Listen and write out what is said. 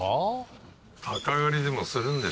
鷹狩りでもするんでしょうか。